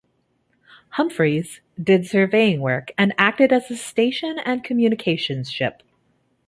"Humphreys" did surveying work and acted as station and communications ship.